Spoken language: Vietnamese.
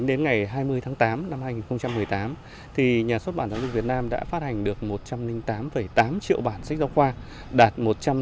đến ngày hai mươi tháng tám năm hai nghìn một mươi tám nhà xuất bản giáo dục việt nam đã phát hành được một trăm linh tám tám triệu bản sách giáo khoa đạt một trăm linh